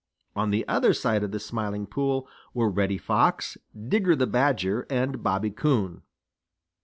On the other side of the Smiling Pool were Reddy Fox, Digger the Badger, and Bobby Coon.